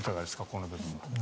この部分は。